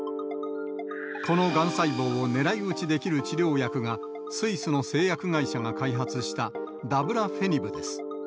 このがん細胞を狙い撃ちできる治療薬が、スイスの製薬会社が開発した、ダブラフェニブです。